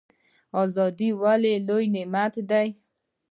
ازادي ولې لوی نعمت دی؟